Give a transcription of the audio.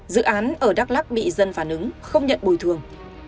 dự án ở đắk lắc bị dân phản ứng không nhận bồi thường